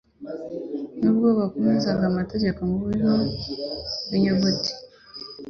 Nubwo bakomezaga amategeko mu buryo bw’inyuguti,